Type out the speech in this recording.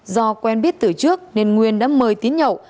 do quen biết từ trước nên nguyên đã mời tín nhậu